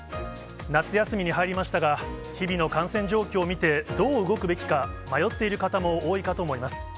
夏休みに入りましたが、日々の感染状況を見て、どう動くべきか、迷っている方も多いかと思います。